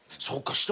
そうか。